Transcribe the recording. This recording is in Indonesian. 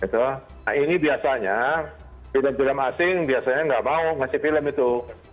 nah ini biasanya film film asing biasanya nggak mau ngasih film itu